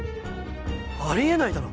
あり得ないだろ。